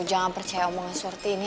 jangan percaya omongan seperti ini